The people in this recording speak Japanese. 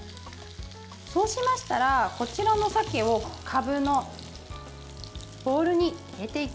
そうしましたら、こちらの鮭をかぶのボウルに入れていきます。